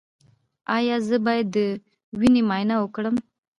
ایا زه باید د وینې معاینه وکړم؟